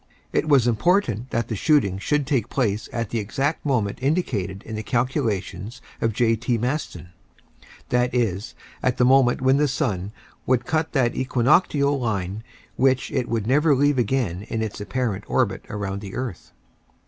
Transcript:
It was important that the shooting should take place at the exact moment indicated in the calculations of J. T. Maston that is, at the moment when the sun would cut that equinoctial line which it would never leave again in its apparent orbit around the earth.